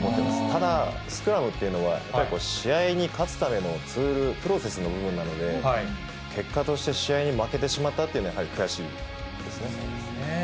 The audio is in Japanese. ただ、スクラムっていうのは、やっぱり試合に勝つためのプロセスの部分なので、結果として試合に負けてしまったっていうのは、そうですね。